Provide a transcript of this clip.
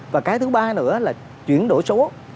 và cái thứ ba nữa là chuyển đổi số